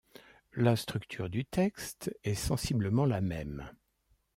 La structure du texte est sensiblement la même.